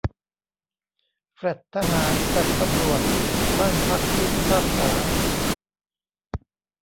แฟลตทหาร แฟลตตำรวจ บ้านพักผู้พิพากษา